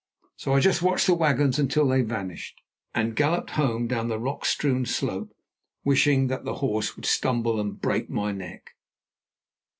So I just watched the wagons until they vanished, and galloped home down the rock strewn slope, wishing that the horse would stumble and break my neck.